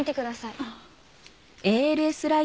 ああ。